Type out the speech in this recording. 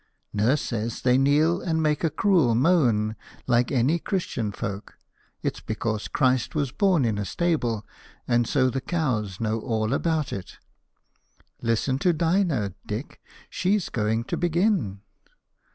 "Nurse says they kneel and make a cruel moan, like any Christian folk. It's because Christ was born in a stable, and so the cows know all about it. Listen to Dinah! Dick, she's going to begin!"